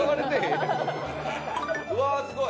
うわーすごい！